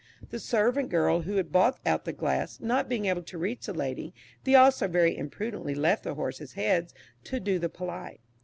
The servant girl who brought out the glass, not being able to reach the lady, the ostler very imprudently left the horses' heads to do the polite.